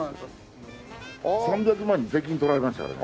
３００万に税金取られましたからね。